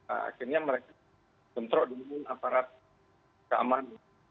akhirnya mereka bentrok dengan aparat keamanan